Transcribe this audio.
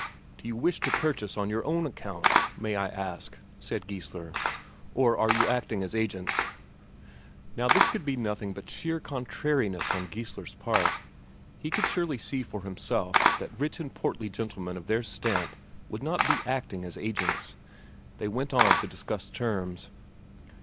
"Do you wish to purchase on your own account, may I ask," said Geissler, "or are you acting as agents?" Now this could be nothing but sheer contrariness on Geissler's part; he could surely see for himself that rich and portly gentlemen of their stamp would not be acting as agents. They went on to discuss terms.